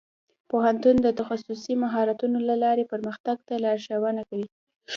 پوهنتون د تخصصي مهارتونو له لارې پرمختګ ته لارښوونه کوي.